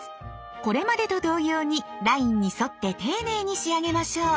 これまでと同様にラインに沿って丁寧に仕上げましょう。